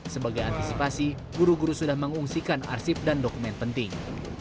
sebagai antisipasi guru guru sudah mengungsikan arsip dan dokumen penting